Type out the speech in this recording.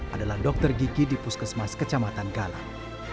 adalah dokter gigi di puskesmas kecamatan galang